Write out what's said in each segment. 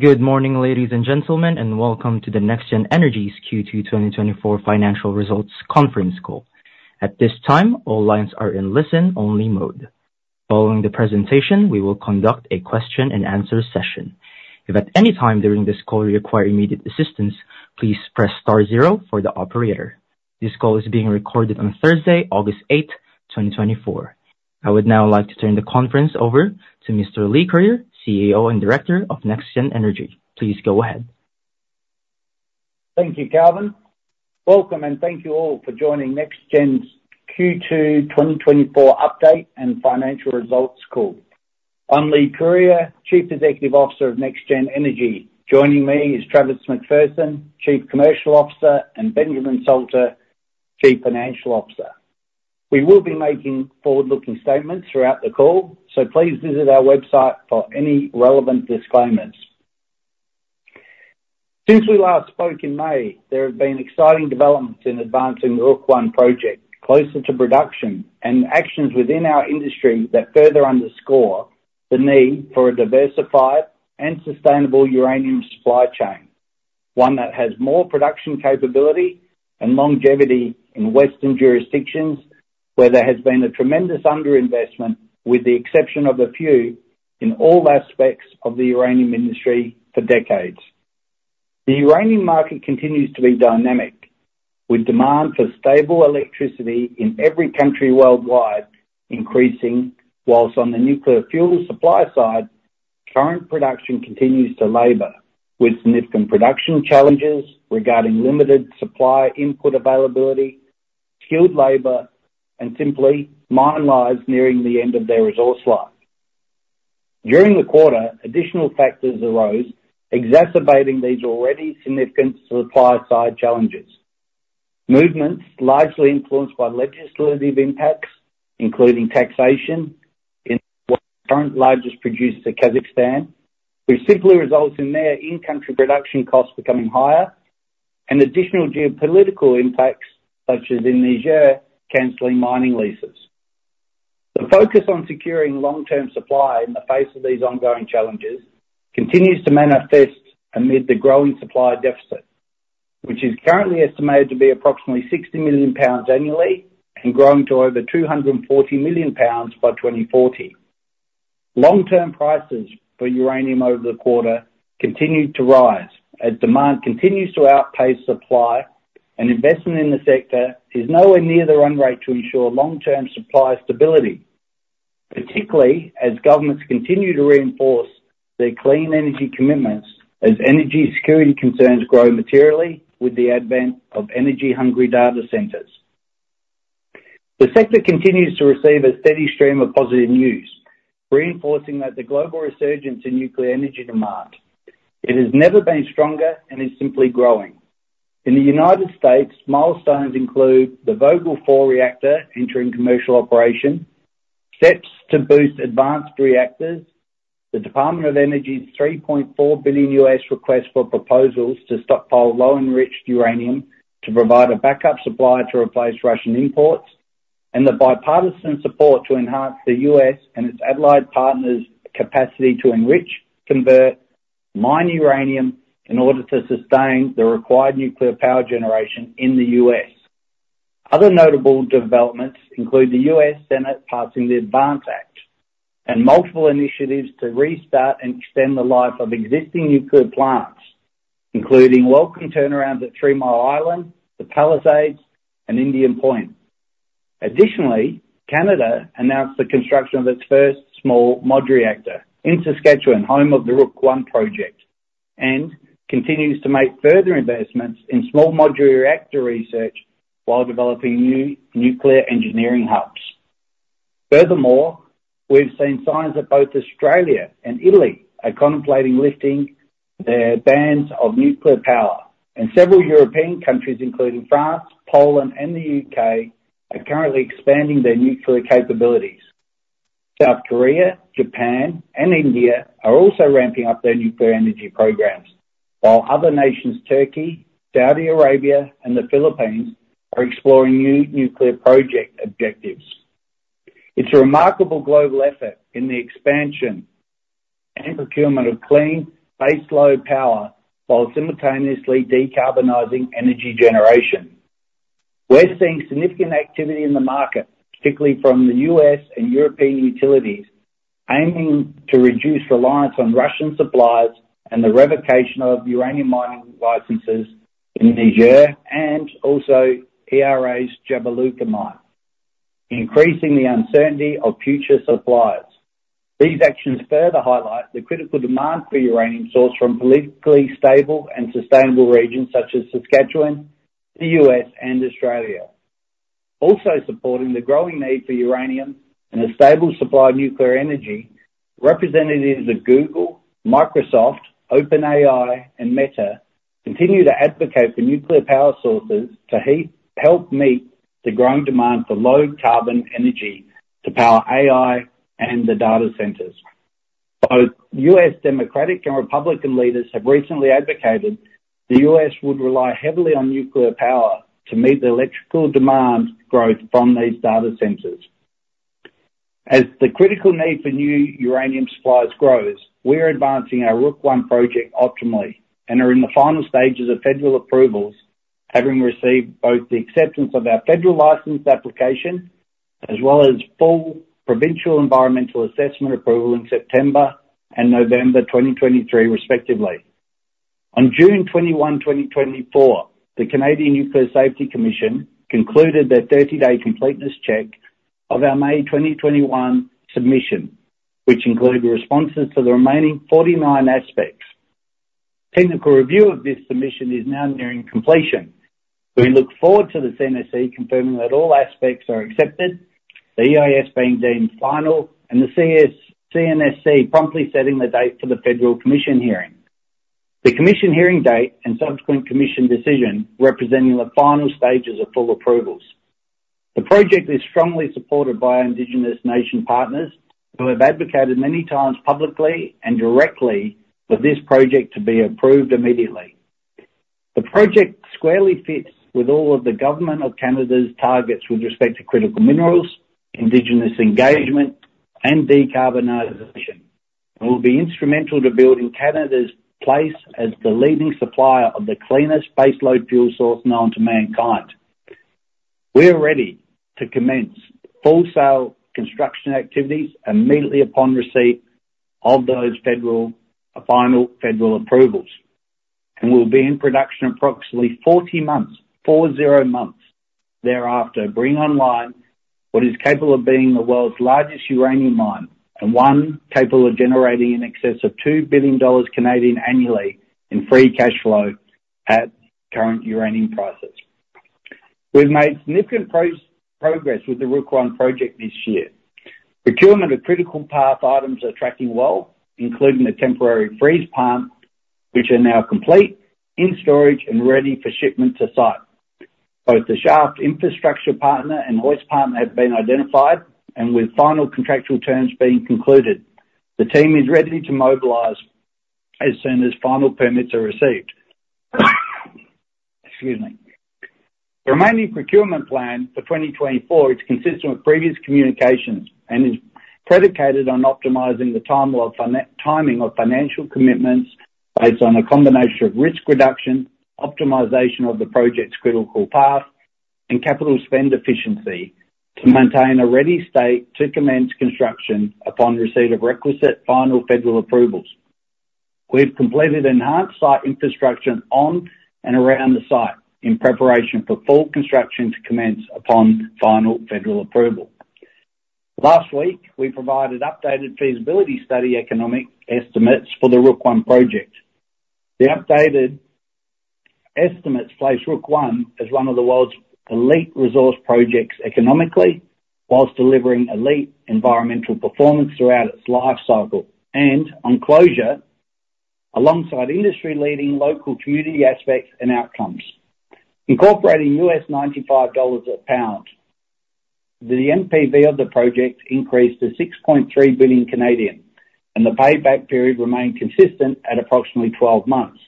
Good morning, ladies and gentlemen, and welcome to NexGen Energy's Q2 2024 financial results conference call. At this time, all lines are in listen-only mode. Following the presentation, we will conduct a question and answer session. If at any time during this call you require immediate assistance, please press star zero for the operator. This call is being recorded on Thursday, August 8th, 2024. I would now like to turn the conference over to Mr. Leigh Curyer, CEO and Director of NexGen Energy. Please go ahead. Thank you, Calvin. Welcome, and thank you all for joining NexGen's Q2 2024 update and financial results call. I'm Leigh Curyer, Chief Executive Officer of NexGen Energy. Joining me is Travis McPherson, Chief Commercial Officer, and Benjamin Salter, Chief Financial Officer. We will be making forward-looking statements throughout the call, so please visit our website for any relevant disclaimers. Since we last spoke in May, there have been exciting developments in advancing the Rook I project closer to production and actions within our industry that further underscore the need for a diversified and sustainable uranium supply chain, one that has more production capability and longevity in Western jurisdictions, where there has been a tremendous underinvestment, with the exception of a few, in all aspects of the uranium industry for decades. The uranium market continues to be dynamic, with demand for stable electricity in every country worldwide increasing, while on the nuclear fuel supply side, current production continues to labor, with significant production challenges regarding limited supply input availability, skilled labor, and simply mine lives nearing the end of their resource life. During the quarter, additional factors arose, exacerbating these already significant supply-side challenges. Movements largely influenced by legislative impacts, including taxation in the current largest producer, Kazakhstan, which simply results in their in-country production costs becoming higher and additional geopolitical impacts, such as in Niger, canceling mining leases. The focus on securing long-term supply in the face of these ongoing challenges continues to manifest amid the growing supply deficit, which is currently estimated to be approximately 60 million pounds annually and growing to over 240 million pounds by 2040. Long-term prices for uranium over the quarter continued to rise as demand continues to outpace supply and investment in the sector is nowhere near the run rate to ensure long-term supply stability, particularly as governments continue to reinforce their clean energy commitments as energy security concerns grow materially with the advent of energy-hungry data centers. The sector continues to receive a steady stream of positive news, reinforcing that the global resurgence in nuclear energy demand, it has never been stronger and is simply growing. In the United States, milestones include the Vogtle Four reactor entering commercial operation, steps to boost advanced reactors, the Department of Energy's $3.4 billion U.S. request for proposals to stockpile low enriched uranium to provide a backup supply to replace Russian imports, and the bipartisan support to enhance the U.S. and its allied partners' capacity to enrich, convert, mine uranium in order to sustain the required nuclear power generation in the U.S. Other notable developments include the U.S. Senate passing the ADVANCE Act and multiple initiatives to restart and extend the life of existing nuclear plants, including welcome turnarounds at Three Mile Island, the Palisades, and Indian Point. Additionally, Canada announced the construction of its first small modular reactor in Saskatchewan, home of the Rook I project, and continues to make further investments in small modular reactor research while developing new nuclear engineering hubs. Furthermore, we've seen signs that both Australia and Italy are contemplating lifting their bans of nuclear power, and several European countries, including France, Poland, and the U.K., are currently expanding their nuclear capabilities. South Korea, Japan, and India are also ramping up their nuclear energy programs, while other nations, Turkey, Saudi Arabia, and the Philippines, are exploring new nuclear project objectives. It's a remarkable global effort in the expansion and procurement of clean baseload power while simultaneously decarbonizing energy generation. We're seeing significant activity in the market, particularly from the US and European utilities, aiming to reduce reliance on Russian suppliers and the revocation of uranium mining licenses in Niger and also ERA's Jabiluka mine, increasing the uncertainty of future suppliers. These actions further highlight the critical demand for uranium sourced from politically stable and sustainable regions such as Saskatchewan, the US, and Australia. Also supporting the growing need for uranium and a stable supply of nuclear energy, representatives of Google, Microsoft, OpenAI, and Meta continue to advocate for nuclear power sources to help meet the growing demand for low carbon energy to power AI and the data centers. Both U.S. Democratic and Republican leaders have recently advocated the U.S. would rely heavily on nuclear power to meet the electrical demand growth from these data centers. As the critical need for new uranium supplies grows, we are advancing our Rook I project optimally and are in the final stages of federal approvals, having received both the acceptance of our federal license application, as well as full provincial environmental assessment approval in September and November 2023, respectively. On June 21, 2024, the Canadian Nuclear Safety Commission concluded their 30-day completeness check of our May 2021 submission, which included the responses to the remaining 49 aspects. Technical review of this submission is now nearing completion. We look forward to the CNSC confirming that all aspects are accepted, the EIS being deemed final, and the CNSC promptly setting the date for the Federal Commission hearing. The commission hearing date and subsequent commission decision representing the final stages of full approvals. The project is strongly supported by our Indigenous Nation partners, who have advocated many times, publicly and directly, for this project to be approved immediately. The project squarely fits with all of the government of Canada's targets with respect to critical minerals, Indigenous engagement, and decarbonization, and will be instrumental to building Canada's place as the leading supplier of the cleanest baseload fuel source known to mankind. We are ready to commence full scale construction activities immediately upon receipt of those federal, final federal approvals, and will be in production approximately 40 months, 40 months thereafter, bringing online what is capable of being the world's largest uranium mine, and one capable of generating in excess of 2 billion Canadian dollars annually in free cash flow at current uranium prices. We've made significant progress with the Rook I project this year. Procurement of critical path items are tracking well, including the temporary freeze pump, which are now complete, in storage and ready for shipment to site. Both the shaft infrastructure partner and hoist partner have been identified, and with final contractual terms being concluded, the team is ready to mobilize as soon as final permits are received. Excuse me. The remaining procurement plan for 2024 is consistent with previous communications and is predicated on optimizing the timeline of fine-tuning of financial commitments based on a combination of risk reduction, optimization of the project's critical path, and capital spend efficiency to maintain a ready state to commence construction upon receipt of requisite final federal approvals. We've completed enhanced site infrastructure on and around the site in preparation for full construction to commence upon final federal approval. Last week, we provided updated feasibility study economic estimates for the Rook I project. The updated estimates place Rook I as one of the world's elite resource projects economically, while delivering elite environmental performance throughout its life cycle and on closure, alongside industry-leading local community aspects and outcomes. Incorporating $95 a pound, the NPV of the project increased to 6.3 billion, and the payback period remained consistent at approximately 12 months,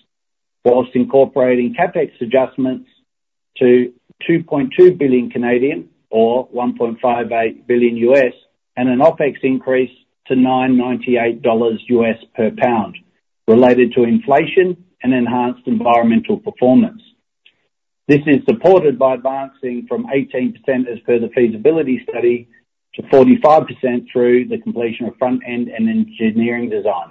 while incorporating CapEx adjustments to 2.2 billion, or $1.58 billion, and an OpEx increase to $9.98 per pound, related to inflation and enhanced environmental performance. This is supported by advancing from 18% as per the feasibility study, to 45% through the completion of front-end engineering design.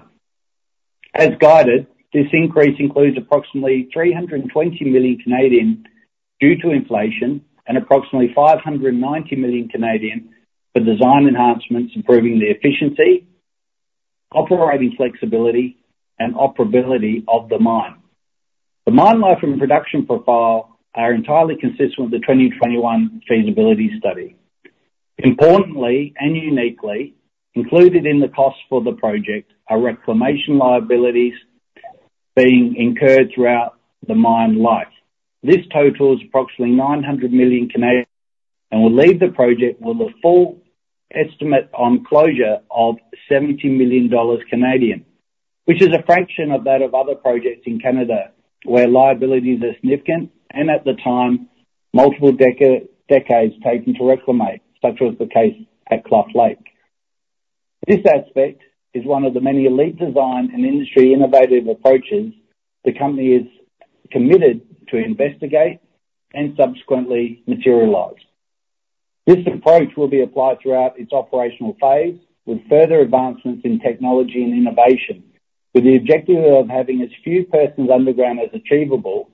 As guided, this increase includes approximately 320 million due to inflation, and approximately 590 million for design enhancements, improving the efficiency, operating flexibility, and operability of the mine. The mine life and production profile are entirely consistent with the 2021 feasibility study. Importantly and uniquely, included in the cost for the project are reclamation liabilities being incurred throughout the mine life. This totals approximately 900 million and will leave the project with a full estimate on closure of 70 million Canadian dollars, which is a fraction of that of other projects in Canada, where liabilities are significant and, at the time, multiple decades taken to reclaim, such was the case at Cluff Lake. This aspect is one of the many elite design and industry innovative approaches the company is committed to investigate and subsequently materialize. This approach will be applied throughout its operational phase, with further advancements in technology and innovation, with the objective of having as few persons underground as achievable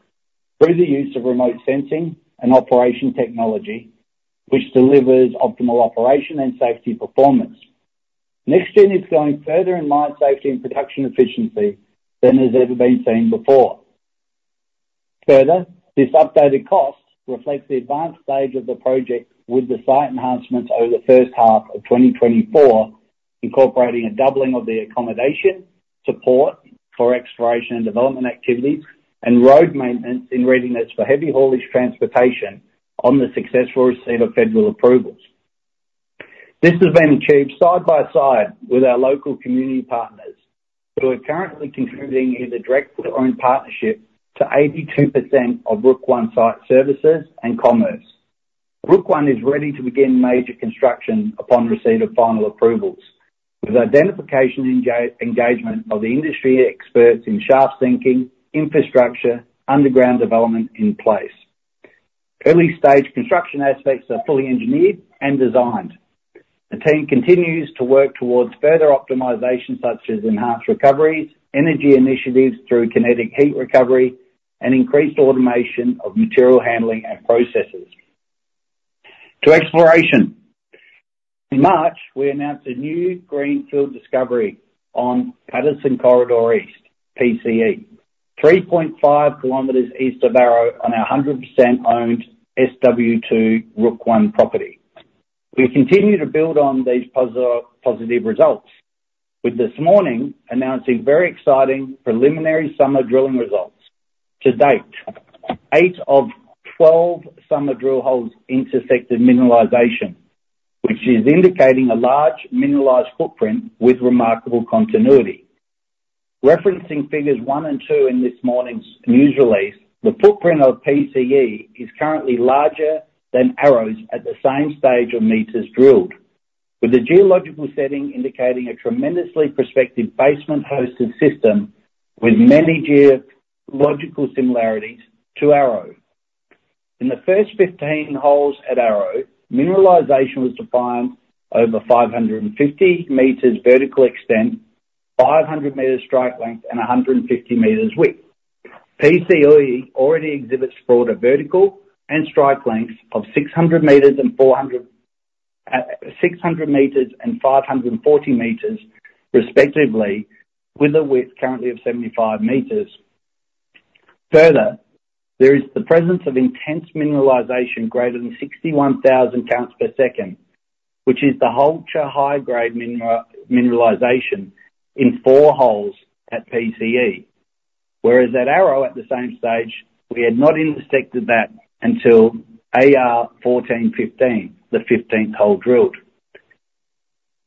through the use of remote sensing and operation technology, which delivers optimal operation and safety performance. NexGen is going further in mine safety and production efficiency than has ever been seen before. Further, this updated cost reflects the advanced stage of the project, with the site enhancements over the first half of 2024, incorporating a doubling of the accommodation, support for exploration and development activities, and road maintenance in readiness for heavy haulage transportation on the successful receipt of federal approvals. This has been achieved side by side with our local community partners. So we're currently concluding either direct or own partnership to 82% of Rook I site services and commerce. Rook One is ready to begin major construction upon receipt of final approvals, with identification and engagement of the industry experts in shaft sinking, infrastructure, underground development in place. Early stage construction aspects are fully engineered and designed. The team continues to work towards further optimization, such as enhanced recoveries, energy initiatives through kinetic heat recovery, and increased automation of material handling and processes. To exploration. In March, we announced a new greenfield discovery on Patterson Corridor East, PCE, 3.5 kilometers east of Arrow on our 100% owned SW2 Rook One property. We continue to build on these positive results, with this morning announcing very exciting preliminary summer drilling results. To date, 8 of 12 summer drill holes intersected mineralization, which is indicating a large mineralized footprint with remarkable continuity. Referencing figures 1 and 2 in this morning's news release, the footprint of PCE is currently larger than Arrow's at the same stage of meters drilled, with the geological setting indicating a tremendously prospective basement-hosted system with many geological similarities to Arrow. In the first 15 holes at Arrow, mineralization was defined over 550 meters vertical extent, 500 meters strike length, and 150 meters width. PCE already exhibits broader vertical and strike lengths of 600 meters and 540 meters respectively, with a width currently of 75 meters. Further, there is the presence of intense mineralization greater than 61,000 counts per second, which is the whole high-grade mineralization in 4 holes at PCE. Whereas at Arrow, at the same stage, we had not intersected that until AR1415, the 15th hole drilled.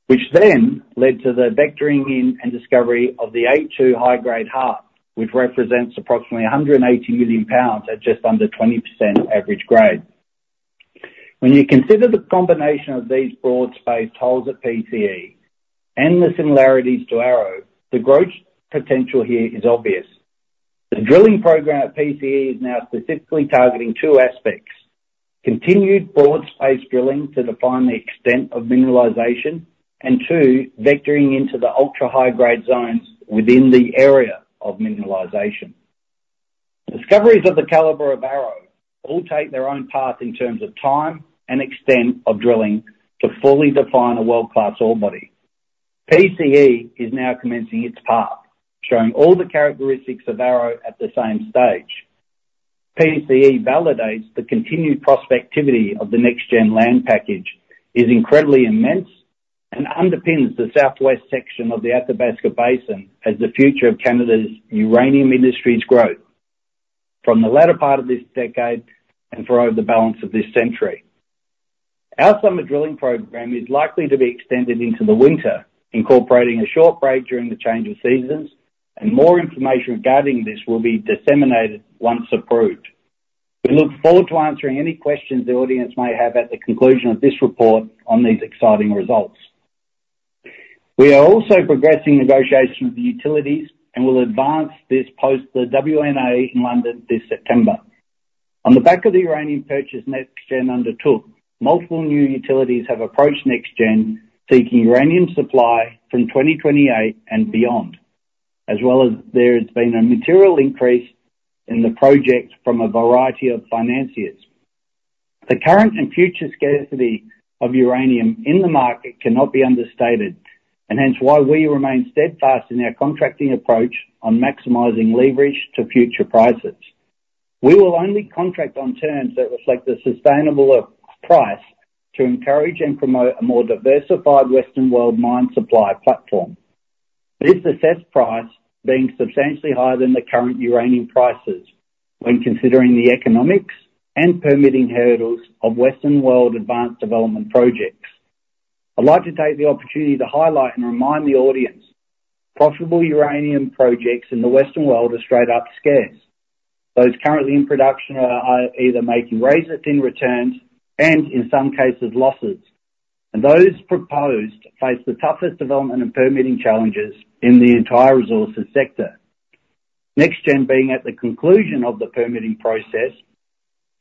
Which then led to the vectoring in and discovery of the A2 high-grade heart, which represents approximately 180 million pounds at just under 20% average grade. When you consider the combination of these broad-based holes at PCE and the similarities to Arrow, the growth potential here is obvious. The drilling program at PCE is now specifically targeting two aspects: continued broad-based drilling to define the extent of mineralization, and two, vectoring into the ultra-high-grade zones within the area of mineralization. Discoveries of the caliber of Arrow all take their own path in terms of time and extent of drilling to fully define a world-class ore body. PCE is now commencing its path, showing all the characteristics of Arrow at the same stage. PCE validates the continued prospectivity of the NexGen land package, is incredibly immense, and underpins the southwest section of the Athabasca Basin as the future of Canada's uranium industry's growth from the latter part of this decade and throughout the balance of this century. Our summer drilling program is likely to be extended into the winter, incorporating a short break during the change of seasons, and more information regarding this will be disseminated once approved. We look forward to answering any questions the audience may have at the conclusion of this report on these exciting results. We are also progressing negotiations with utilities and will advance this post, the WNA in London, this September. On the back of the uranium purchase NexGen undertook, multiple new utilities have approached NexGen, seeking uranium supply from 2028 and beyond, as well as there has been a material increase in the project from a variety of financiers. The current and future scarcity of uranium in the market cannot be understated, and hence why we remain steadfast in our contracting approach on maximizing leverage to future prices. We will only contract on terms that reflect the sustainable, price to encourage and promote a more diversified western world mine supply platform. This assessed price being substantially higher than the current uranium prices when considering the economics and permitting hurdles of western world advanced development projects. I'd like to take the opportunity to highlight and remind the audience, profitable uranium projects in the western world are straight-up scarce. Those currently in production are either making razor-thin returns and, in some cases, losses. And those proposed face the toughest development and permitting challenges in the entire resources sector. NexGen, being at the conclusion of the permitting process,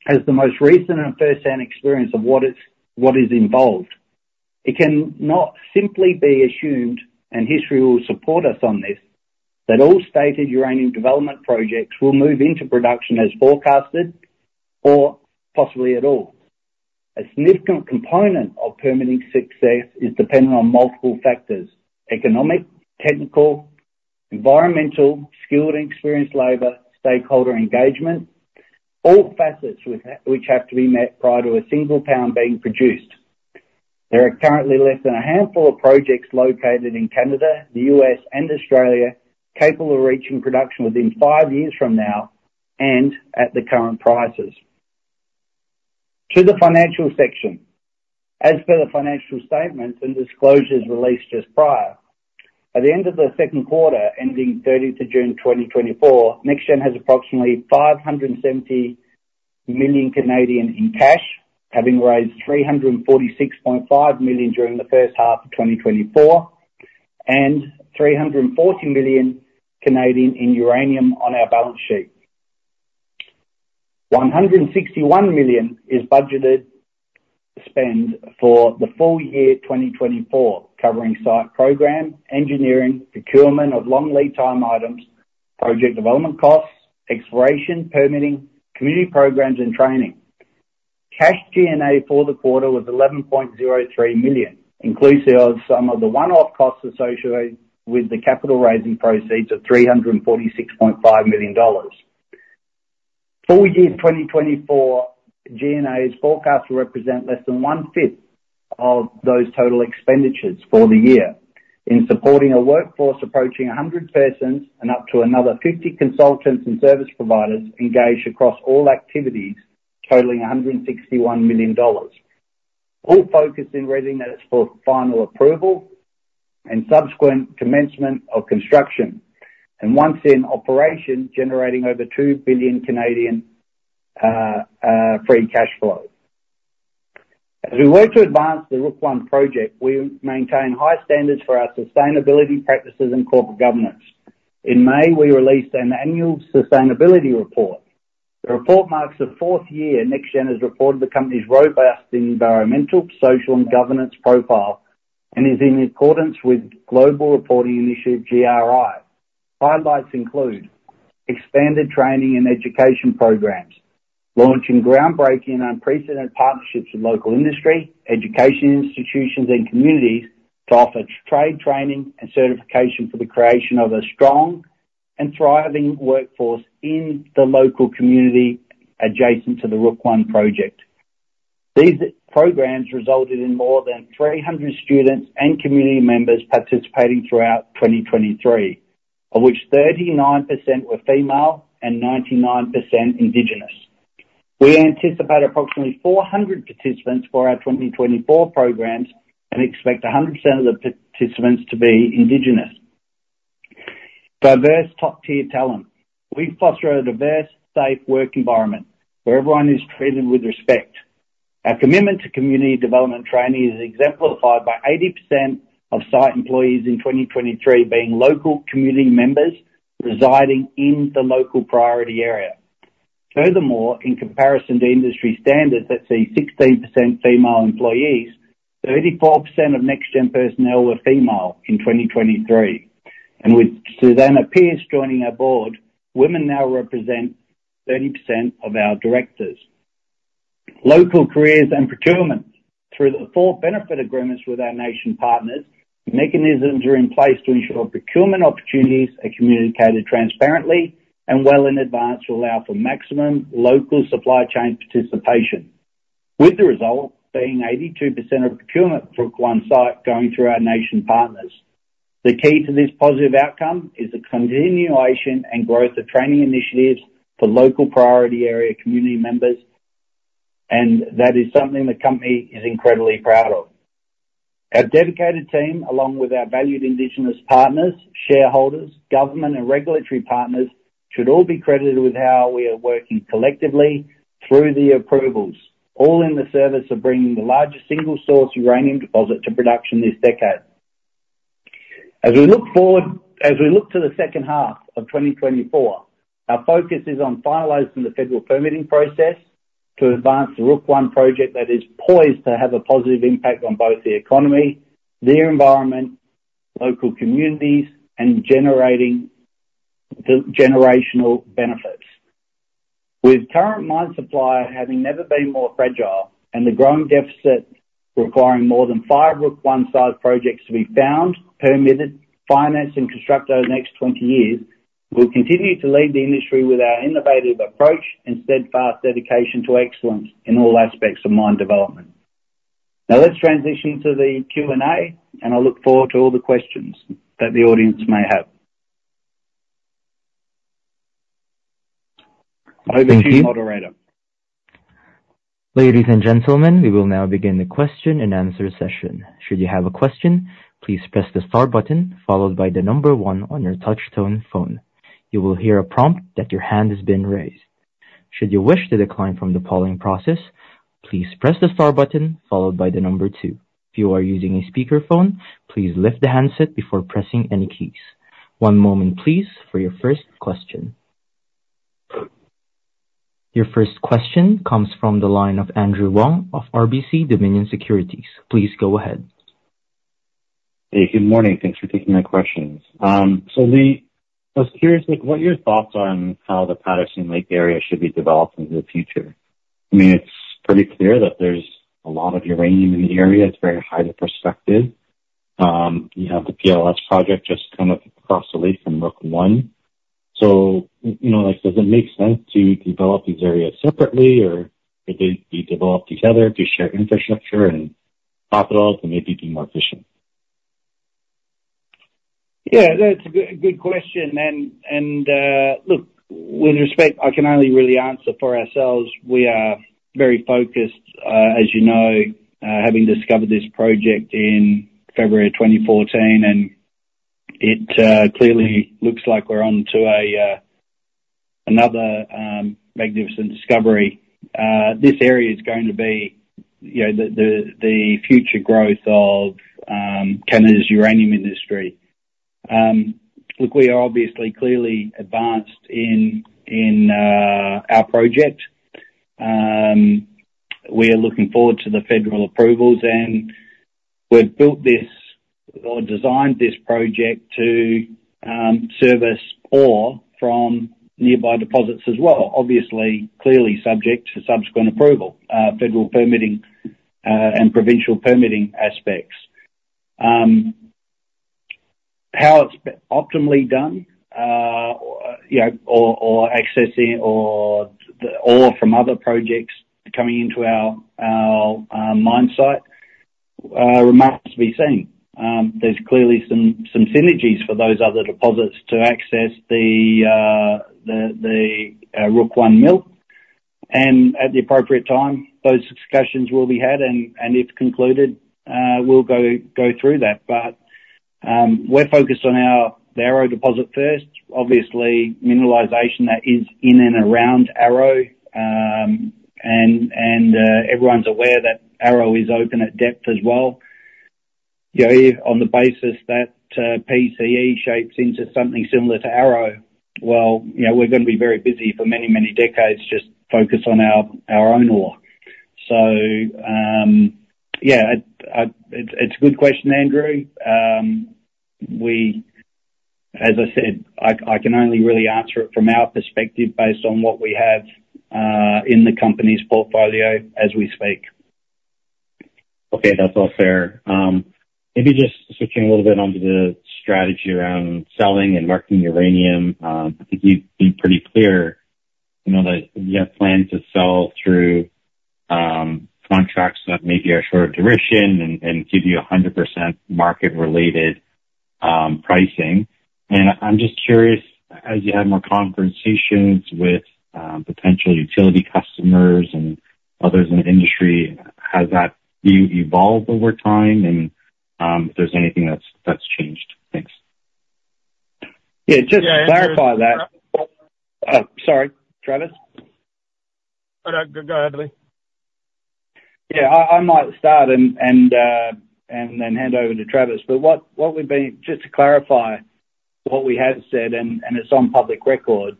has the most recent and firsthand experience of what is involved. It cannot simply be assumed, and history will support us on this, that all stated uranium development projects will move into production as forecasted or possibly at all. A significant component of permitting success is dependent on multiple factors: economic, technical, environmental, skilled and experienced labor, stakeholder engagement, all facets which have to be met prior to a single pound being produced. There are currently less than a handful of projects located in Canada, the U.S., and Australia, capable of reaching production within five years from now and at the current prices… To the financial section. As per the financial statements and disclosures released just prior, by the end of the second quarter, ending June 30, 2024, NexGen has approximately 570 million in cash, having raised 346.5 million during the first half of 2024, and 340 million in uranium on our balance sheet. 161 million is budgeted spend for the full year 2024, covering site program, engineering, procurement of long lead time items, project development costs, exploration, permitting, community programs, and training. Cash G&A for the quarter was 11.03 million, inclusive of some of the one-off costs associated with the capital raising proceeds of 346.5 million dollars. Full year 2024 G&A's forecast will represent less than one-fifth of those total expenditures for the year in supporting a workforce approaching 100 persons and up to another 50 consultants and service providers engaged across all activities, totaling 161 million dollars, all focused in reading that it's for final approval and subsequent commencement of construction, and once in operation, generating over 2 billion Canadian dollars free cash flow. As we work to advance the Rook I project, we maintain high standards for our sustainability practices and corporate governance. In May, we released an annual sustainability report. The report marks the fourth year NexGen has reported the company's robust environmental, social, and governance profile and is in accordance with Global Reporting Initiative, GRI. Highlights include: expanded training and education programs, launching groundbreaking and unprecedented partnerships with local industry, education institutions, and communities to offer trade training and certification for the creation of a strong and thriving workforce in the local community adjacent to the Rook I project. These programs resulted in more than 300 students and community members participating throughout 2023, of which 39% were female and 99% indigenous. We anticipate approximately 400 participants for our 2024 programs and expect 100% of the participants to be indigenous. Diverse top-tier talent. We foster a diverse, safe work environment where everyone is treated with respect. Our commitment to community development training is exemplified by 80% of site employees in 2023 being local community members residing in the local priority area. Furthermore, in comparison to industry standards that see 16% female employees, 34% of NexGen personnel were female in 2023, and with Susannah Pierce joining our board, women now represent 30% of our directors. Local careers and procurement. Through the four benefit agreements with our nation partners, mechanisms are in place to ensure procurement opportunities are communicated transparently and well in advance to allow for maximum local supply chain participation, with the result being 82% of procurement for one site going through our nation partners. The key to this positive outcome is the continuation and growth of training initiatives for local priority area community members, and that is something the company is incredibly proud of. Our dedicated team, along with our valued Indigenous partners, shareholders, government, and regulatory partners, should all be credited with how we are working collectively through the approvals, all in the service of bringing the largest single source uranium deposit to production this decade. As we look forward, as we look to the second half of 2024, our focus is on finalizing the federal permitting process to advance the Rook I project that is poised to have a positive impact on both the economy, their environment, local communities, and generating the generational benefits. With current mine supply having never been more fragile and the growing deficit requiring more than 5 Rook I-size projects to be found, permitted, financed, and constructed over the next 20 years, we'll continue to lead the industry with our innovative approach and steadfast dedication to excellence in all aspects of mine development. Now, let's transition to the Q&A, and I look forward to all the questions that the audience may have. Over to you, moderator. Ladies and gentlemen, we will now begin the question-and-answer session. Should you have a question, please press the star button followed by the number 1 on your touchtone phone. You will hear a prompt that your hand has been raised. Should you wish to decline from the polling process, please press the star button followed by the number 2. If you are using a speakerphone, please lift the handset before pressing any keys. One moment, please, for your first question. Your first question comes from the line of Andrew Wong of RBC Dominion Securities. Please go ahead. Hey, good morning. Thanks for taking my questions. So, Lee, I was curious, like, what are your thoughts on how the Patterson Lake area should be developed in the future? I mean, it's pretty clear that there's a lot of uranium in the area. It's very highly prospective. You have the PLS project just kind of across the lake from Rook I. So, you know, like, does it make sense to develop these areas separately, or would they be developed together to share infrastructure and capital to maybe be more efficient? ... Yeah, that's a good question. And look, with respect, I can only really answer for ourselves. We are very focused, as you know, having discovered this project in February of 2014, and it clearly looks like we're onto another magnificent discovery. This area is going to be, you know, the future growth of Canada's uranium industry. Look, we are obviously clearly advanced in our project. We are looking forward to the federal approvals, and we've built this or designed this project to service ore from nearby deposits as well. Obviously, clearly subject to subsequent approval, federal permitting, and provincial permitting aspects. How it's optimally done, you know, or accessing the ore from other projects coming into our mine site remains to be seen. There's clearly some synergies for those other deposits to access the Rook I mill, and at the appropriate time, those discussions will be had, and if concluded, we'll go through that. But we're focused on the Arrow Deposit first, obviously mineralization that is in and around Arrow. And everyone's aware that Arrow is open at depth as well. You know, on the basis that PCE shapes into something similar to Arrow, well, you know, we're gonna be very busy for many decades, just focus on our own ore. So, yeah, it's a good question, Andrew. We... As I said, I can only really answer it from our perspective, based on what we have in the company's portfolio as we speak. Okay, that's all fair. Maybe just switching a little bit onto the strategy around selling and marketing uranium. I think you've been pretty clear, you know, that you have plans to sell through contracts that maybe are shorter duration and give you 100% market-related pricing. And I'm just curious, as you have more conversations with potential utility customers and others in the industry, has that view evolved over time? And if there's anything that's changed. Thanks. Yeah, just to clarify that. Sorry, Travis? No, go ahead, Lee. Yeah, I might start and then hand over to Travis. But just to clarify what we have said, and it's on public record,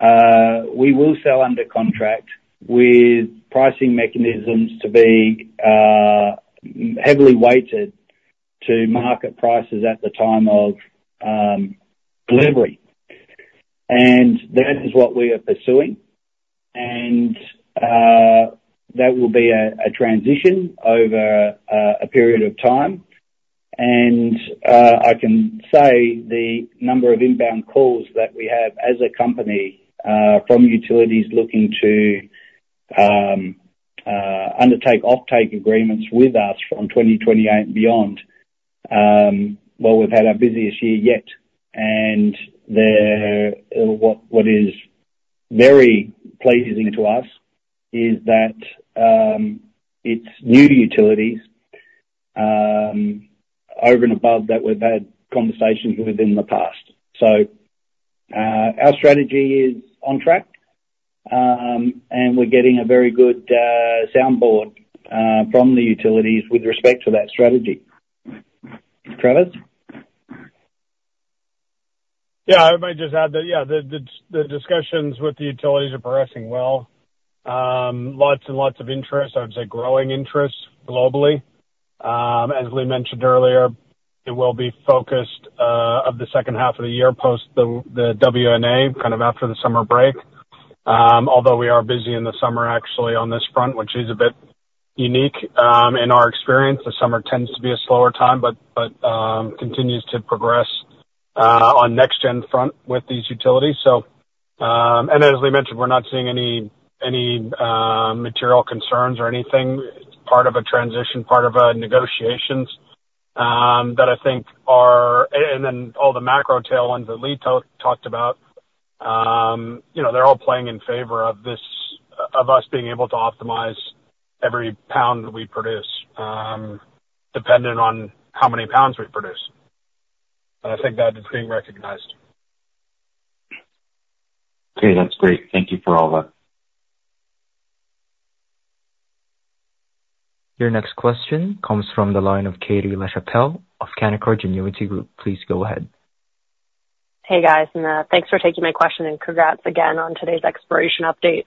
we will sell under contract with pricing mechanisms to be heavily weighted to market prices at the time of delivery. And that is what we are pursuing, and that will be a transition over a period of time. And I can say the number of inbound calls that we have as a company from utilities looking to undertake offtake agreements with us from 2028 beyond, well, we've had our busiest year yet, and what is very pleasing to us is that it's new utilities over and above that we've had conversations with in the past. So, our strategy is on track, and we're getting a very good sounding board from the utilities with respect to that strategy. Travis? Yeah. I might just add that, yeah, the discussions with the utilities are progressing well. Lots and lots of interest. I would say growing interest globally. As Lee mentioned earlier, it will be focused of the second half of the year post the WNA, kind of after the summer break. Although we are busy in the summer, actually, on this front, which is a bit unique, in our experience. The summer tends to be a slower time, but continues to progress on NexGen front with these utilities. So, and as Lee mentioned, we're not seeing any material concerns or anything, part of a transition, part of a negotiations, that I think are... And then all the macro tailwinds that Lee talked about, you know, they're all playing in favor of this, of us being able to optimize every pound that we produce, dependent on how many pounds we produce. And I think that is being recognized. Okay, that's great. Thank you for all that. Your next question comes from the line of Katie Lachapelle of Canaccord Genuity Group. Please go ahead. Hey, guys, and thanks for taking my question, and congrats again on today's exploration update.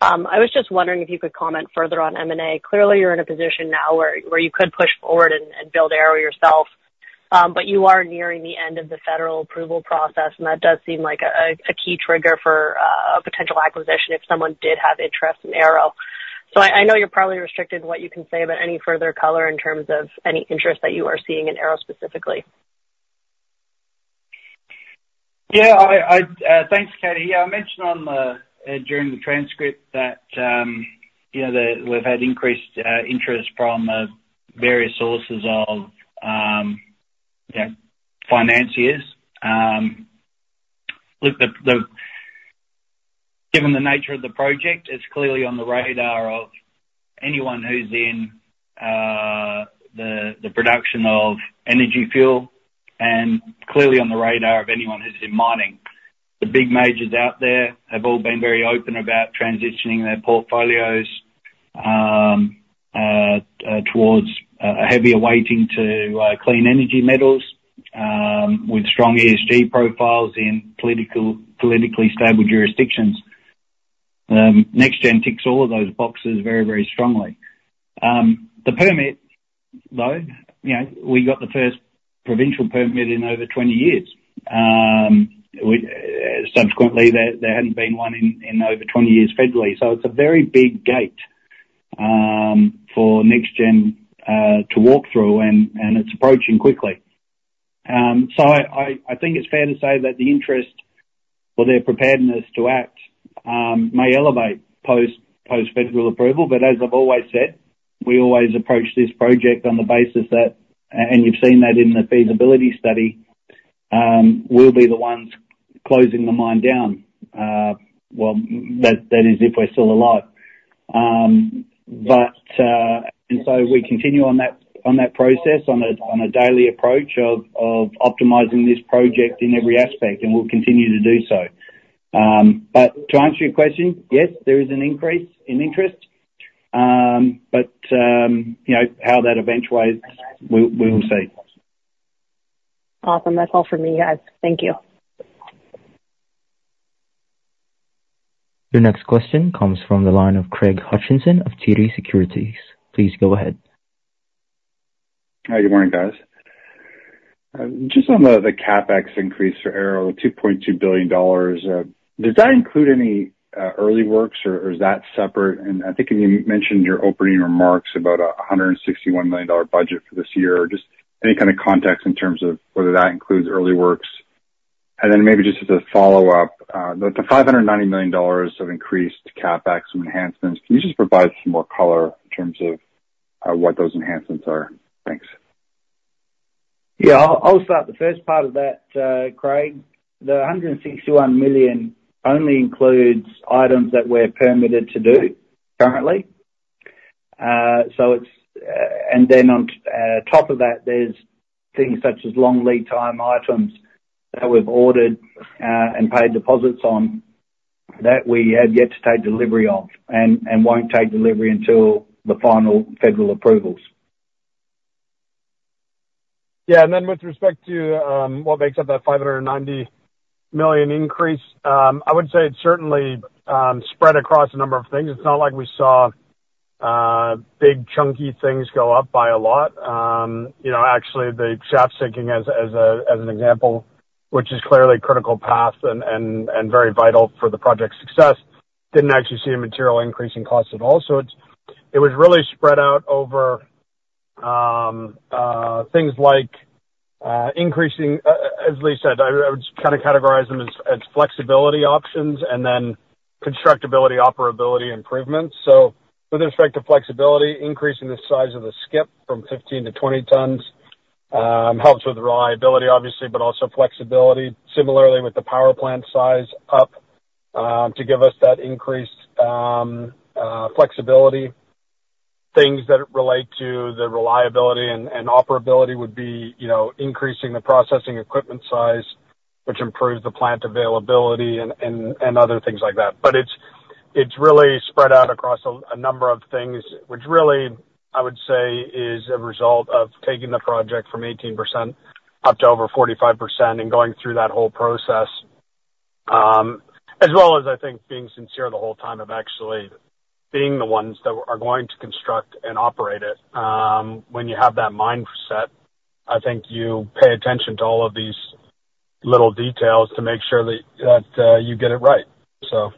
I was just wondering if you could comment further on M&A. Clearly, you're in a position now where you could push forward and build Arrow yourself, but you are nearing the end of the federal approval process, and that does seem like a key trigger for a potential acquisition if someone did have interest in Arrow. So I know you're probably restricted in what you can say, but any further color in terms of any interest that you are seeing in Arrow specifically? ...Yeah, thanks, Katie. Yeah, I mentioned on the during the transcript that, you know, that we've had increased interest from various sources of, you know, financiers. Look, the given the nature of the project, it's clearly on the radar of anyone who's in the production of energy fuel, and clearly on the radar of anyone who's in mining. The big majors out there have all been very open about transitioning their portfolios towards a heavier weighting to clean energy metals with strong ESG profiles in politically stable jurisdictions. NexGen ticks all of those boxes very, very strongly. The permit, though, you know, we got the first provincial permit in over 20 years. We... Subsequently, there hadn't been one in over 20 years federally, so it's a very big gate for NexGen to walk through, and it's approaching quickly. So I think it's fair to say that the interest or their preparedness to act may elevate post-federal approval. But as I've always said, we always approach this project on the basis that, and you've seen that in the feasibility study, we'll be the ones closing the mine down. Well, that is, if we're still alive. But and so we continue on that process on a daily approach of optimizing this project in every aspect, and we'll continue to do so. But to answer your question: yes, there is an increase in interest, but, you know, how that eventuates, we will see. Awesome. That's all for me, guys. Thank you. Your next question comes from the line of Craig Hutchinson of TD Securities. Please go ahead. Hi, good morning, guys. Just on the, the CapEx increase for Arrow, 2.2 billion dollars, does that include any, early works, or, or is that separate? And I think, and you mentioned your opening remarks about 161 million dollar budget for this year, or just any kind of context in terms of whether that includes early works. And then maybe just as a follow-up, the, the 590 million dollars of increased CapEx and enhancements, can you just provide some more color in terms of, what those enhancements are? Thanks. Yeah, I'll, I'll start the first part of that, Craig. The 161 million only includes items that we're permitted to do currently. So it's... And then on top of that, there's things such as long lead time items that we've ordered and paid deposits on, that we have yet to take delivery of and won't take delivery until the final federal approvals. Yeah, and then with respect to what makes up that 590 million increase, I would say it's certainly spread across a number of things. It's not like we saw big, chunky things go up by a lot. You know, actually, the shaft sinking as an example, which is clearly critical path and very vital for the project's success, didn't actually see a material increase in cost at all. So it was really spread out over things like increasing, as Lee said, I would kind of categorize them as flexibility options and then constructability, operability improvements. So with respect to flexibility, increasing the size of the skip from 15 to 20 tons helps with reliability, obviously, but also flexibility. Similarly, with the power plant size up to give us that increased flexibility. Things that relate to the reliability and operability would be, you know, increasing the processing equipment size, which improves the plant availability and other things like that. But it's really spread out across a number of things, which really, I would say, is a result of taking the project from 18% up to over 45% and going through that whole process. As well as, I think, being sincere the whole time of actually being the ones that are going to construct and operate it. When you have that mindset, I think you pay attention to all of these little details to make sure that you get it right, so.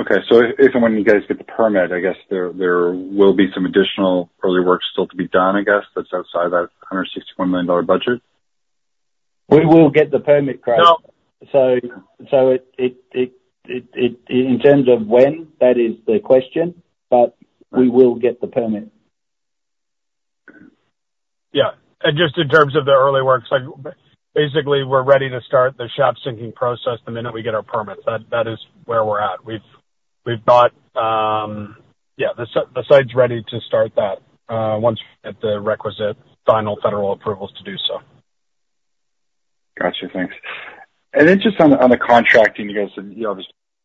Okay. So if and when you guys get the permit, I guess there will be some additional early work still to be done, I guess, that's outside that 161 million dollar budget? We will get the permit, Craig. No- So, in terms of when, that is the question, but we will get the permit. Yeah, and just in terms of the early works, like, basically, we're ready to start the shaft sinking process the minute we get our permits. That, that is where we're at. We've, we've got, yeah, the site's ready to start that, once we get the requisite final federal approvals to do so. Gotcha. Thanks. And then just on the, on the contracting, you guys, you know,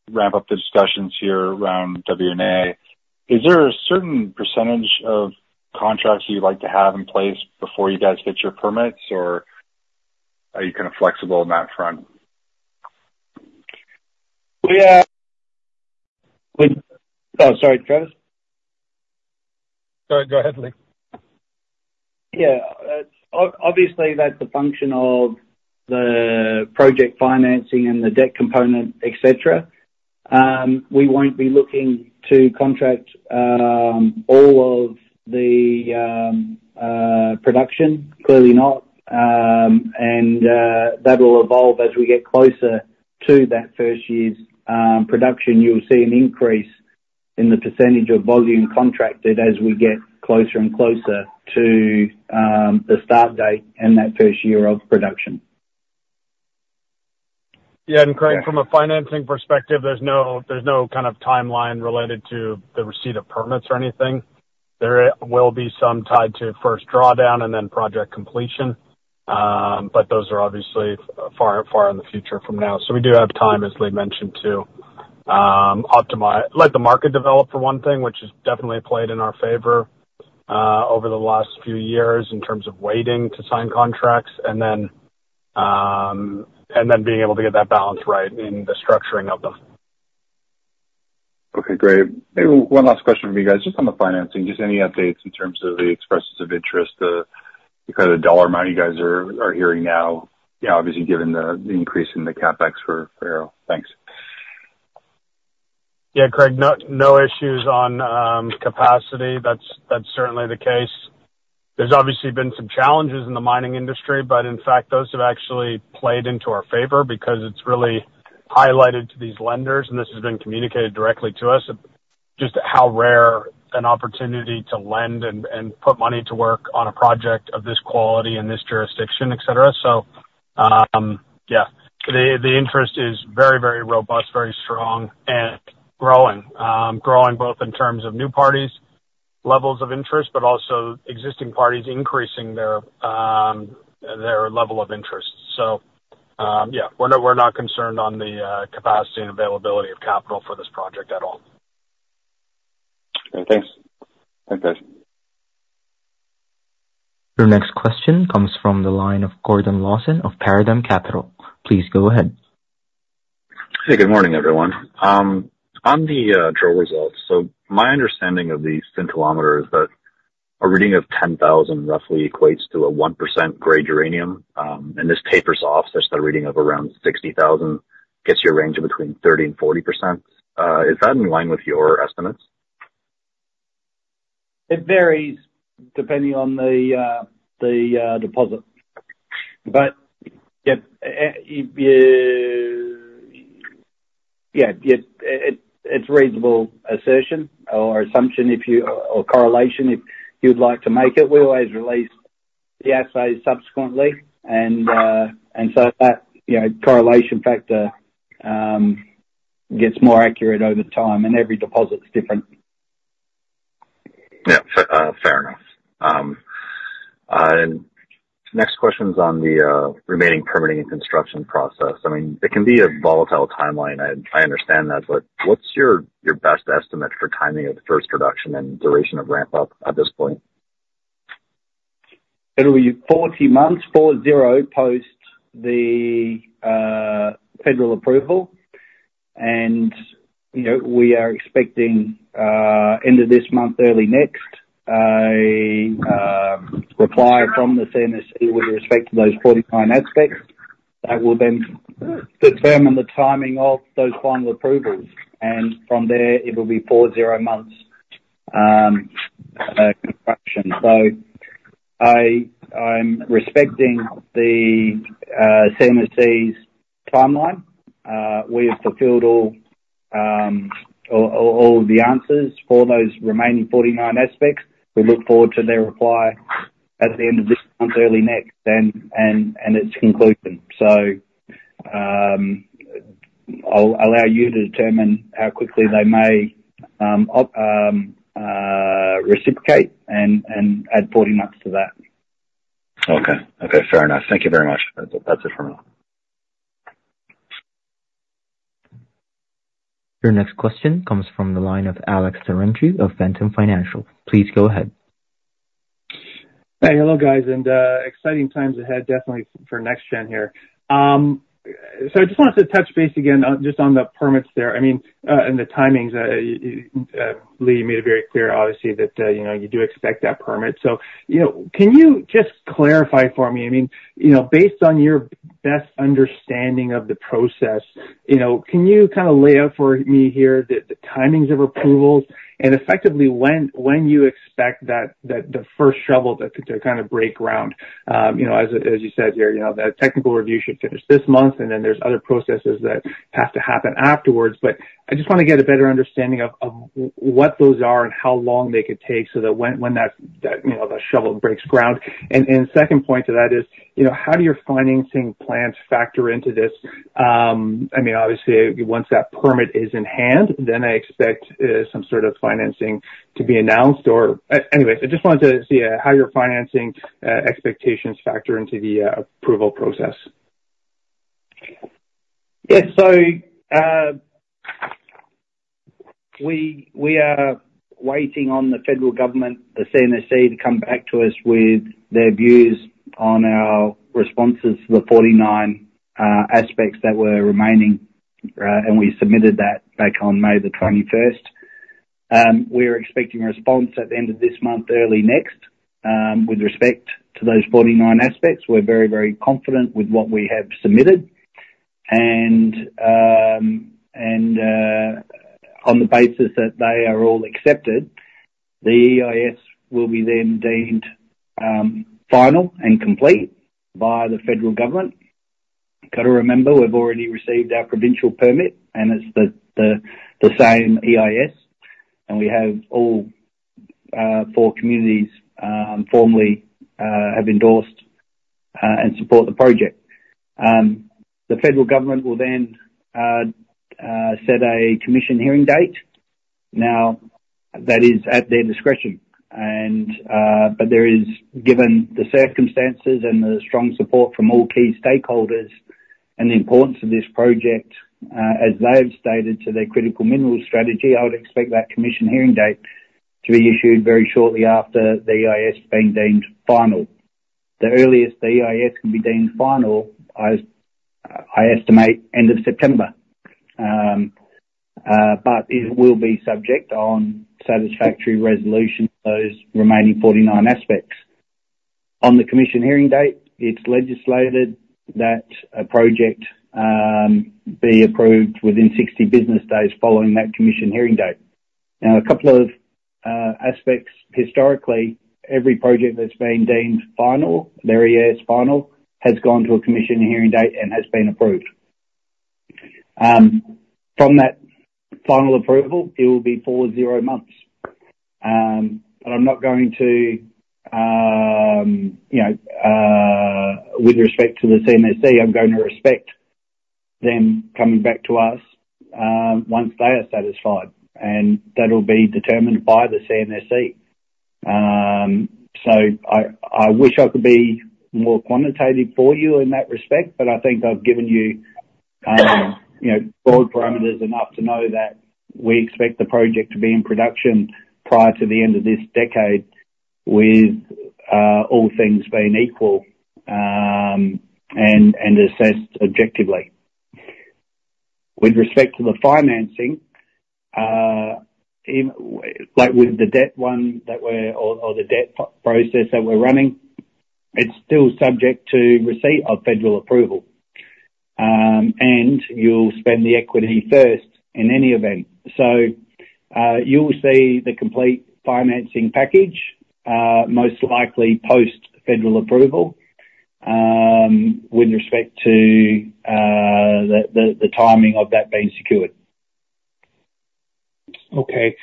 just wrap up the discussions here around WNA. Is there a certain percentage of contracts you'd like to have in place before you guys get your permits, or are you kind of flexible on that front? Oh, sorry, Travis? Go ahead, Lee. Yeah. Obviously, that's a function of the project financing and the debt component, et cetera. We won't be looking to contract all of the production, clearly not. That will evolve as we get closer to that first year's production. You'll see an increase in the percentage of volume contracted as we get closer and closer to the start date and that first year of production. Yeah, and Craig, from a financing perspective, there's no, there's no kind of timeline related to the receipt of permits or anything. There will be some tied to first drawdown and then project completion. But those are obviously far, far in the future from now. So we do have time, as Lee mentioned, to optimize, let the market develop for one thing, which has definitely played in our favor over the last few years in terms of waiting to sign contracts and then and then being able to get that balance right in the structuring of them. Okay, great. Maybe one last question for you guys. Just on the financing, just any updates in terms of the expressions of interest, the kind of dollar amount you guys are hearing now? Yeah, obviously, given the increase in the CapEx for Arrow. Thanks. Yeah, Craig, no, no issues on capacity. That's, that's certainly the case. There's obviously been some challenges in the mining industry, but in fact, those have actually played into our favor because it's really highlighted to these lenders, and this has been communicated directly to us, just how rare an opportunity to lend and put money to work on a project of this quality in this jurisdiction, et cetera. So, yeah, the interest is very, very robust, very strong and growing. Growing both in terms of new parties, levels of interest, but also existing parties increasing their level of interest. So, yeah, we're not, we're not concerned on the capacity and availability of capital for this project at all. Great. Thanks. Thanks, guys. Your next question comes from the line of Gordon Lawson of Paradigm Capital. Please go ahead. Hey, good morning, everyone. On the drill results, so my understanding of the scintillometer is that a reading of 10,000 roughly equates to a 1% grade uranium. And this tapers off, just a reading of around 60,000 gets you a range of between 30% and 40%. Is that in line with your estimates? It varies depending on the deposit. But yep, yeah, yeah, it's reasonable assertion or assumption if you-- or correlation, if you'd like to make it. We always release the assays subsequently. And so that, you know, correlation factor gets more accurate over time, and every deposit's different. Yeah, fair enough. Next question's on the remaining permitting and construction process. I mean, it can be a volatile timeline. I understand that, but what's your best estimate for timing of the first production and duration of ramp up at this point? It'll be 40 months, 40, post the federal approval. And, you know, we are expecting end of this month, early next, reply from the CNSC with respect to those 49 aspects. That will then determine the timing of those final approvals, and from there it will be 40 months construction. So I'm respecting the CNSC's timeline. We have fulfilled all the answers for those remaining 49 aspects. We look forward to their reply at the end of this month, early next, and its conclusion. So, I'll allow you to determine how quickly they may reciprocate and add 40 months to that. Okay. Okay, fair enough. Thank you very much. That's it. That's it for now. Your next question comes from the line of Alex Zarintu of Phantom Financial. Please go ahead. Hey, hello, guys, and exciting times ahead, definitely for NexGen here. So I just wanted to touch base again on, just on the permits there, I mean, and the timings. Lee, you made it very clear, obviously, that you know, you do expect that permit. So, you know, can you just clarify for me, I mean, you know, based on your best understanding of the process, you know, can you kind of lay out for me here the timings of approvals and effectively when you expect that, the first shovel to kind of break ground? You know, as you said here, you know, the technical review should finish this month, and then there's other processes that have to happen afterwards. But I just want to get a better understanding of what those are and how long they could take so that when that, you know, the shovel breaks ground. And second point to that is, you know, how do your financing plans factor into this? I mean, obviously once that permit is in hand, then I expect some sort of financing to be announced. Or anyway, I just wanted to see how your financing expectations factor into the approval process. Yes. So, we are waiting on the federal government, the CNSC, to come back to us with their views on our responses to the 49 aspects that were remaining. And we submitted that back on May 21. We're expecting a response at the end of this month, early next. With respect to those 49 aspects, we're very, very confident with what we have submitted. And on the basis that they are all accepted, the EIS will be then deemed final and complete by the federal government. Got to remember, we've already received our provincial permit, and it's the same EIS, and we have all four communities formally have endorsed and support the project. The federal government will then set a commission hearing date. Now, that is at their discretion, and, but there is, given the circumstances and the strong support from all key stakeholders and the importance of this project, as they've stated to their critical minerals strategy, I would expect that commission hearing date to be issued very shortly after the EIS being deemed final. The earliest the EIS can be deemed final, I estimate end of September. But it will be subject to satisfactory resolution to those remaining 49 aspects. On the commission hearing date, it's legislated that a project be approved within 60 business days following that commission hearing date. Now, a couple of aspects. Historically, every project that's been deemed final, their EIS final, has gone to a commission hearing date and has been approved. From that final approval, it will be 40 months. But I'm not going to, you know, with respect to the CNSC, I'm going to respect them coming back to us, once they are satisfied, and that'll be determined by the CNSC. So I wish I could be more quantitative for you in that respect, but I think I've given you, you know, broad parameters, enough to know that we expect the project to be in production prior to the end of this decade, with all things being equal, and assessed objectively. With respect to the financing, like, with the debt process that we're running, it's still subject to receipt of federal approval. And you'll spend the equity first in any event. So, you'll see the complete financing package, most likely post-federal approval, with respect to the timing of that being secured. Okay.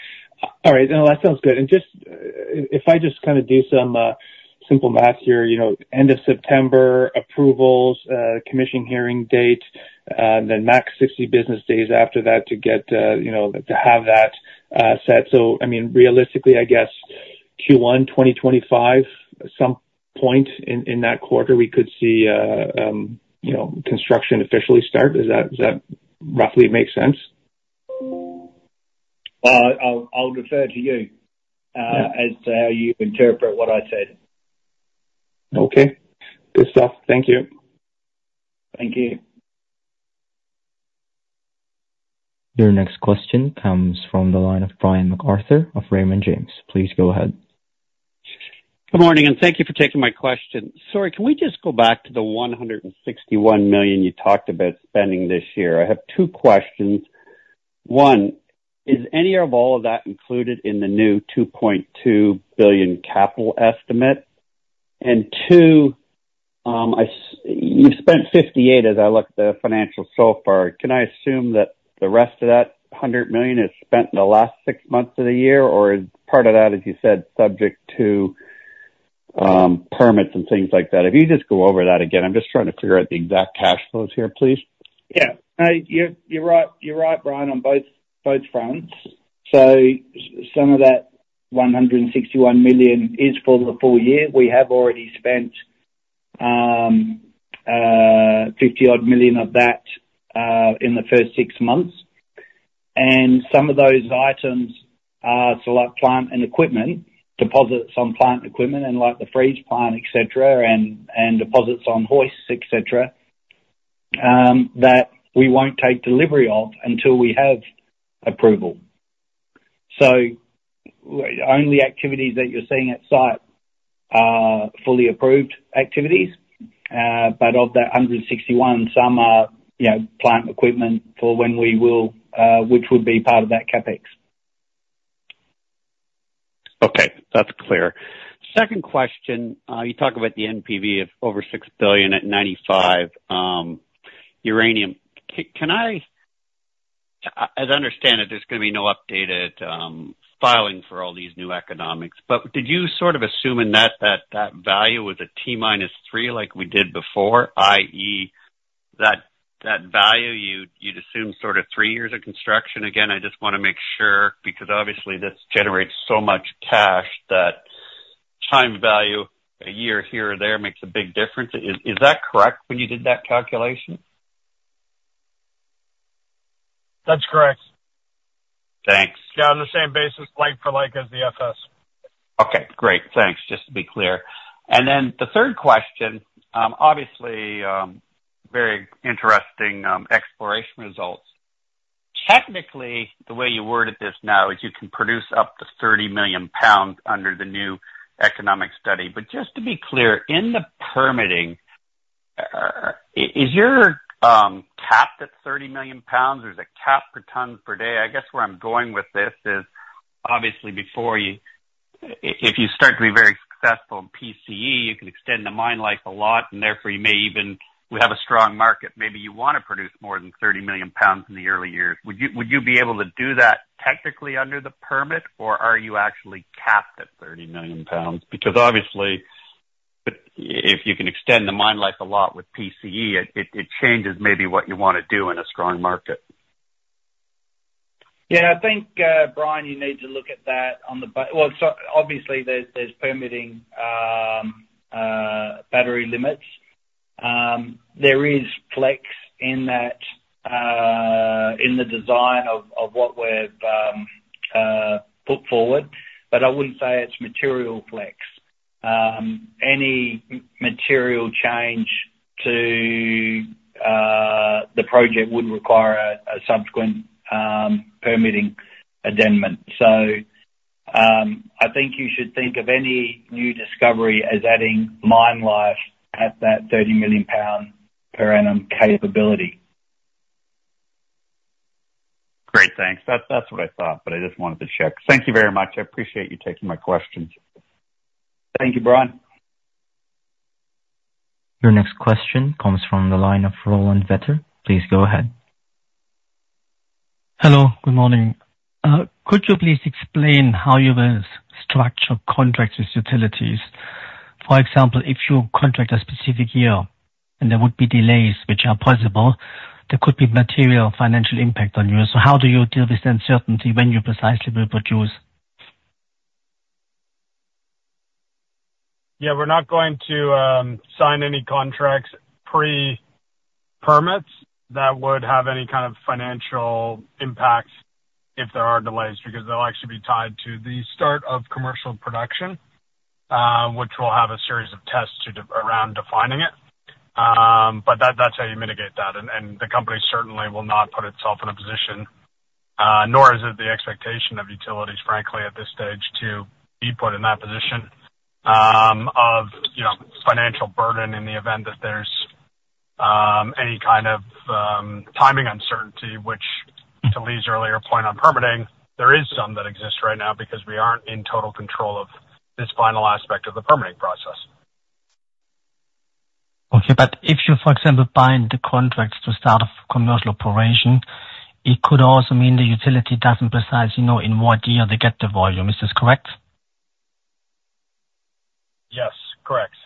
All right, no, that sounds good. And just, if I just kind of do some simple math here, you know, end of September, approvals, commission hearing date, then max 60 business days after that to get, you know, to have that set. So, I mean, realistically, I guess Q1 2025, at some point in that quarter, we could see, you know, construction officially start. Does that roughly make sense? I'll defer to you as to how you interpret what I said. Okay. Good stuff. Thank you. Thank you. Your next question comes from the line of Brian MacArthur of Raymond James. Please go ahead. Good morning, and thank you for taking my question. Sorry, can we just go back to the 161 million you talked about spending this year? I have two questions. One, is any of all of that included in the new 2.2 billion capital estimate? And two, you've spent 58, as I look at the financials so far. Can I assume that the rest of that 100 million is spent in the last six months of the year, or is part of that, as you said, subject to permits and things like that? If you just go over that again, I'm just trying to figure out the exact cash flows here, please. Yeah. You're right, you're right, Brian, on both fronts. So some of that 161 million is for the full year. We have already spent 50-odd million of that in the first six months. And some of those items are select plant and equipment, deposits on plant equipment, and like the freeze plant, et cetera, and deposits on hoists, et cetera, that we won't take delivery of until we have approval. So the only activities that you're seeing at site are fully approved activities. But of that 161 million, some are, you know, plant equipment for when we will, which would be part of that CapEx. Okay, that's clear. Second question, you talk about the NPV of over 6 billion at $95 uranium. Can I... As I understand it, there's gonna be no updated filing for all these new economics. But did you sort of assume in that, that that value was a T minus three, like we did before, i.e., that, that value, you'd, you'd assume sort of three years of construction? Again, I just wanna make sure, because obviously, this generates so much cash that time value a year here or there makes a big difference. Is that correct, when you did that calculation? That's correct. Thanks. Yeah, on the same basis, like for like, as the FS.... Okay, great. Thanks. Just to be clear. And then the third question, obviously, very interesting exploration results. Technically, the way you worded this now is you can produce up to 30 million pounds under the new economic study. But just to be clear, in the permitting, is your capped at 30 million pounds, or is it capped per ton per day? I guess where I'm going with this is, obviously before you if you start to be very successful in PCE, you can extend the mine life a lot, and therefore you may even we have a strong market. Maybe you want to produce more than 30 million pounds in the early years. Would you, would you be able to do that technically under the permit, or are you actually capped at 30 million pounds? Because obviously, if you can extend the mine life a lot with PCE, it changes maybe what you want to do in a strong market. Yeah, I think, Brian, you need to look at that on the – well, so obviously, there's permitting, battery limits. There is flex in that, in the design of what we've put forward, but I wouldn't say it's material flex. Any material change to the project would require a subsequent permitting addendum. So, I think you should think of any new discovery as adding mine life at that 30 million pound per annum capability. Great, thanks. That's, that's what I thought, but I just wanted to check. Thank you very much. I appreciate you taking my questions. Thank you, Brian. Your next question comes from the line of Roland Vetter. Please go ahead. Hello, good morning. Could you please explain how you will structure contracts with utilities? For example, if you contract a specific year and there would be delays, which are possible, there could be material financial impact on you. So how do you deal with the uncertainty when you precisely will produce? Yeah, we're not going to sign any contracts pre-permits that would have any kind of financial impact if there are delays, because they'll actually be tied to the start of commercial production, which will have a series of tests to d- around defining it. But that, that's how you mitigate that. And the company certainly will not put itself in a position, nor is it the expectation of utilities, frankly, at this stage, to be put in that position, of, you know, financial burden in the event that there's any kind of timing uncertainty, which to Leigh's earlier point on permitting, there is some that exists right now because we aren't in total control of this final aspect of the permitting process. Okay, but if you, for example, bind the contracts to start a commercial operation, it could also mean the utility doesn't precisely know in what year they get the volume. Is this correct? Yes, correct.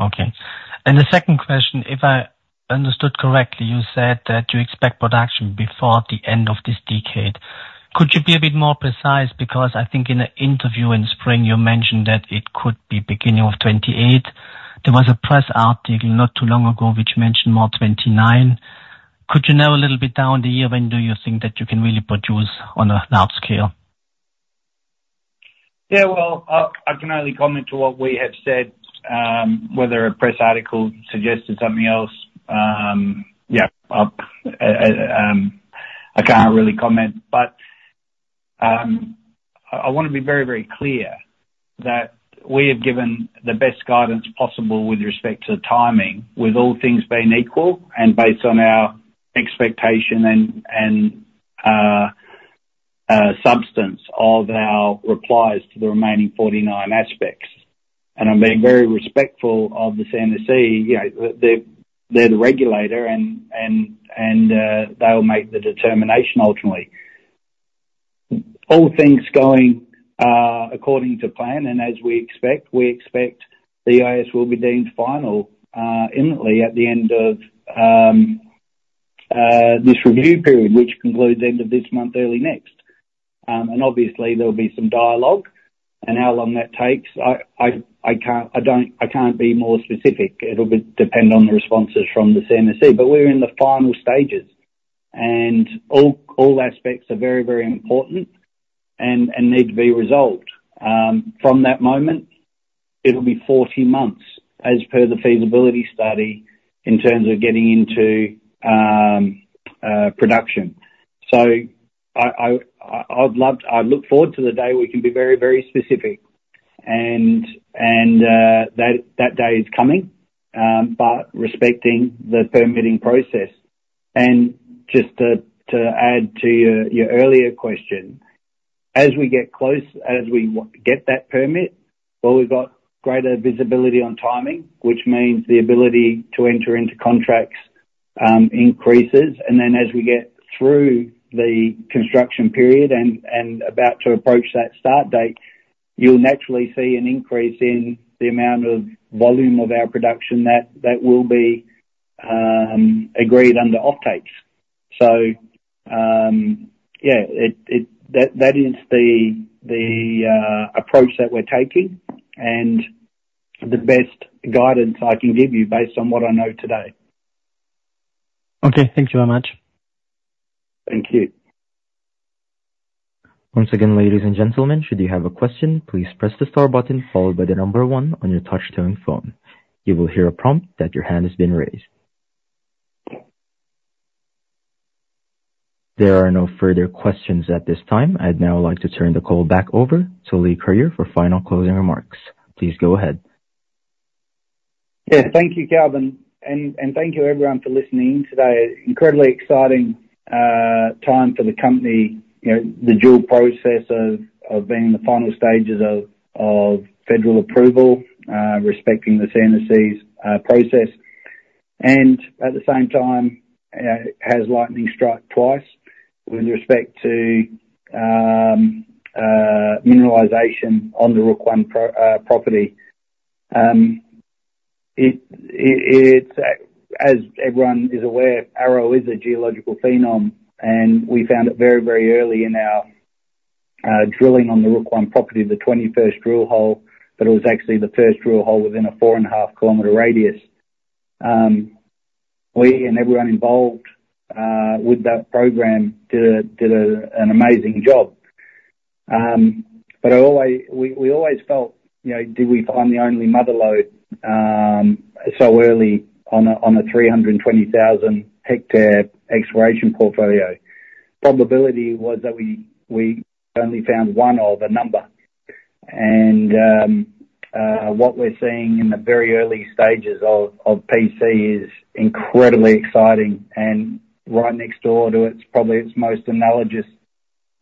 Okay. And the second question, if I understood correctly, you said that you expect production before the end of this decade. Could you be a bit more precise? Because I think in an interview in spring, you mentioned that it could be beginning of 2028. There was a press article not too long ago which mentioned more 2029. Could you narrow a little bit down the year? When do you think that you can really produce on a large scale? Yeah, well, I can only comment to what we have said. Whether a press article suggested something else, yeah, I can't really comment. But, I want to be very, very clear that we have given the best guidance possible with respect to the timing, with all things being equal and based on our expectation and substance of our replies to the remaining 49 aspects. And I'm being very respectful of the CNSC. You know, they're the regulator and they'll make the determination ultimately. All things going according to plan, and as we expect, we expect the IS will be deemed final imminently at the end of this review period, which concludes end of this month, early next. Obviously there will be some dialogue and how long that takes. I can't be more specific. It'll depend on the responses from the CNSC, but we're in the final stages, and all aspects are very, very important and need to be resolved. From that moment, it'll be 14 months, as per the feasibility study, in terms of getting into production. So I'd love to - I look forward to the day where we can be very, very specific and that day is coming, but respecting the permitting process. Just to add to your earlier question, as we get close, as we get that permit, well, we've got greater visibility on timing, which means the ability to enter into contracts increases. And then as we get through the construction period and about to approach that start date, you'll naturally see an increase in the amount of volume of our production that will be agreed under offtakes. That is the approach that we're taking and the best guidance I can give you based on what I know today.... Okay, thank you very much. Thank you. Once again, ladies and gentlemen, should you have a question, please press the star button followed by the number one on your touchtone phone. You will hear a prompt that your hand has been raised. There are no further questions at this time. I'd now like to turn the call back over to Leigh Curyer for final closing remarks. Please go ahead. Yeah, thank you, Calvin, and thank you everyone for listening in today. Incredibly exciting time for the company. You know, the dual process of being in the final stages of federal approval respecting the EA's process, and at the same time, has lightning struck twice with respect to mineralization on the Rook One property. It's, as everyone is aware, Arrow is a geological phenom, and we found it very, very early in our drilling on the Rook One property, the 21st drill hole, but it was actually the first drill hole within a 4.5-kilometer radius. We and everyone involved with that program did an amazing job. But we always felt, you know, did we find the only mother lode so early on a 320,000-hectare exploration portfolio? Probability was that we only found one of a number. What we're seeing in the very early stages of PCE is incredibly exciting and right next door to it, probably its most analogous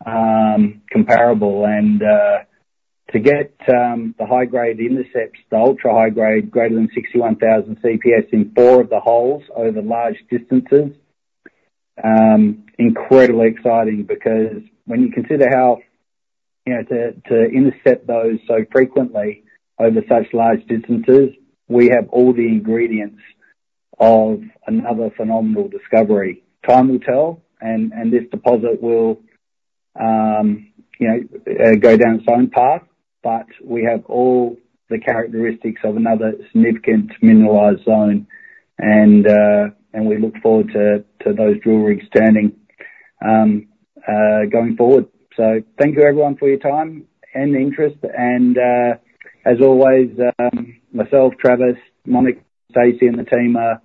comparable. To get the high-grade intercepts, the ultra-high grade, greater than 61,000 CPS in four of the holes over large distances, incredibly exciting because when you consider how, you know, to intercept those so frequently over such large distances, we have all the ingredients of another phenomenal discovery. Time will tell, and this deposit will, you know, go down its own path, but we have all the characteristics of another significant mineralized zone, and we look forward to those drill rigs turning, going forward. So thank you, everyone, for your time and interest, and, as always, myself, Travis, Monica, Stacey, and the team are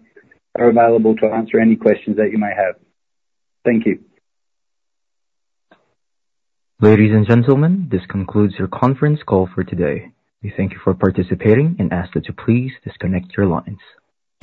available to answer any questions that you may have. Thank you. Ladies and gentlemen, this concludes your conference call for today. We thank you for participating and ask that you please disconnect your lines.